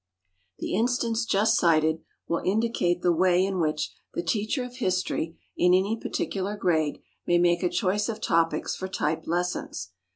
The instance just cited will indicate the way in which the teacher of history in any particular grade may make a choice of topics for type lessons.